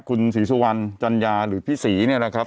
คุณศรีสุวรรณจัญญาหรือพี่ศรีเนี่ยนะครับ